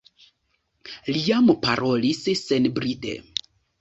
Li jam parolis senbride.